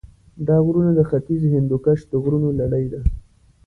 دا غرونه د ختیځ هندوکش د غرونو لړۍ ده.